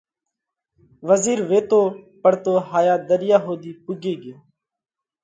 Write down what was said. وزِير ويتو پڙتو هائيا ڍاۯِيا ۿُوڌِي پُوڳي ڳيو۔